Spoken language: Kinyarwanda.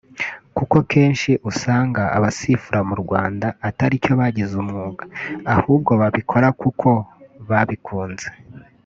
Kuko kenshi usanga abasifura mu Rwanda ataricyo bagize umwuga ahubwo babikora kuko babikunze